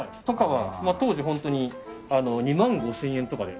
当時本当に２万５０００円とかで。